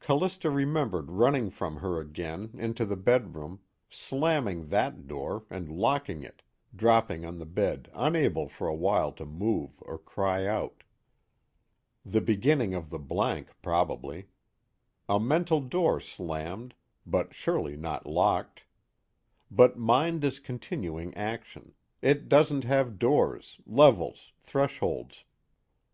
Callista remembered running from her again, into the bedroom, slamming that door and locking it, dropping on the bed unable for a while to move or cry out. The beginning of the blank, probably. A mental door slammed, but surely not locked. But mind is continuing action: it doesn't have doors, levels, thresholds.